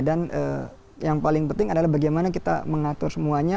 dan yang paling penting adalah bagaimana kita mengatur semuanya